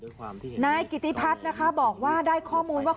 นายกิติพัฒน์นะคะบอกว่าได้ข้อมูลว่า